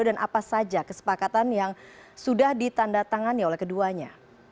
dan apa saja kesepakatan yang sudah ditanda tangannya oleh keduanya